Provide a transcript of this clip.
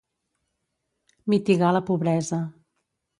Mitigar la pobresa.